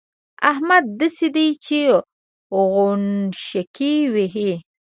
احمد داسې دی چې غوڼاشکې وهي.